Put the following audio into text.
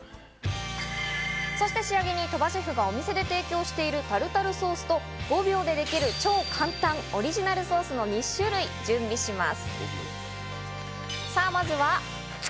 そして仕上げに鳥羽シェフがお店で提供しているタルタルソースと５秒でできる超簡単オリジナルソースの２種類を準備します。